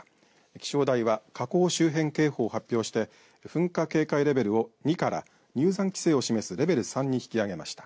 気象台は火口周辺警報を発表して噴火警戒レベルを２から入山規制を示すレベル３に引き上げました。